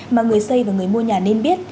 mà người xây và người mua nhà nên biết